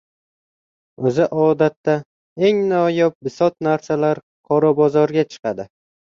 O‘zi, odatda, eng noyob bisot-narsalar qora bozorga chiqadi.